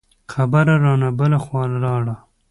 خبره رانه بله خوا لاړه.